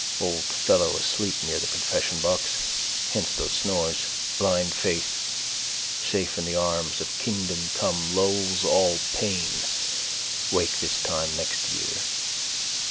Old fellow asleep near that confessionbox. Hence those snores. Blind faith. Safe in the arms of kingdom come. Lulls all pain. Wake this time next year.